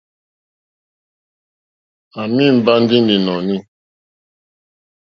À mɛ̀ mbá ndí nǐ nɔ̀ní.